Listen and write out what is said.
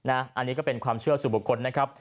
อันนี้ก็เป็นความเชื่อสู่บุคคลนะครับ